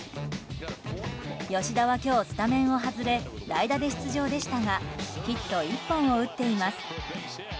吉田は今日、スタメンを外れ代打で出場でしたがヒット１本を打っています。